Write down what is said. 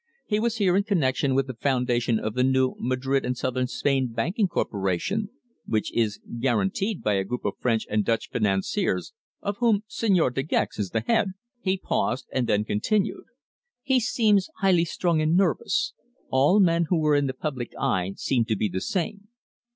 He was here in connexion with the foundation of the new Madrid and Southern Spain Banking Corporation, which is guaranteed by a group of French and Dutch financiers of whom Señor De Gex is the head." He paused, and then continued: "He seems highly strung and nervous. All men who are in the public eye seem to be the same.